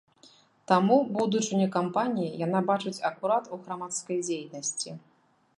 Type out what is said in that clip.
Таму будучыню кампаніі яна бачыць акурат у грамадскай дзейнасці.